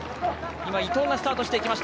伊藤がスタートしました。